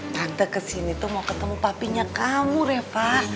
tante ke sini tuh mau ketemu papinya kamu repa